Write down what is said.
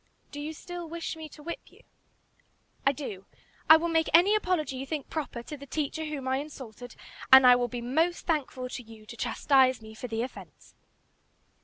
"Do you still wish me to whip you?" "I do. I will make any apology you think proper to the teacher whom I insulted, and I will be most thankful to you to chastise me for the offence."